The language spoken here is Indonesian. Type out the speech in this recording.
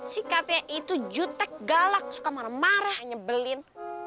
sikapnya itu jutek galak suka marah marah nyebelin